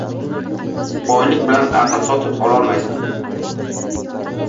• Boylik bilan aql sotib ololmaysan.